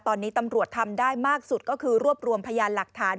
ตอนนี้ตำรวจทำได้มากสุดก็คือรวบรวมพยานหลักฐาน